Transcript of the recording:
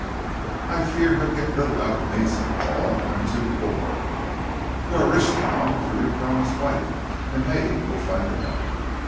"I fear he'll get little out of me," said Paul. "I am too poor." "You are rich now through your promised wife, and Hay will find it out."